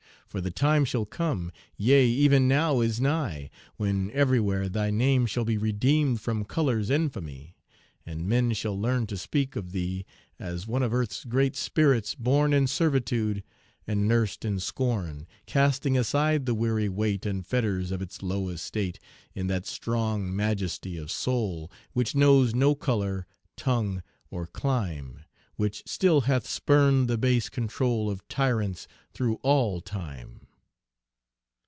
for the time shall come, Yea, even now is nigh, When everywhere thy name shall be Redeemed from color's infamy; And men shall learn to speak of thee, As one of earth's great spirits born In servitude and nursed in scorn, Casting aside the weary weight And fetters of its low estate, In that strong majesty of soul Which knows no color, tongue, or clime, Which still hath spurned the base control Of tyrants through all time!